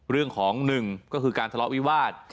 เรื่องของหนึ่งก็คือการทะเลาะวิวาส